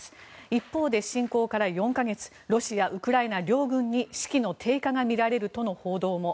一方で侵攻から４か月ロシア、ウクライナ両軍に士気の低下が見られるとの報道も。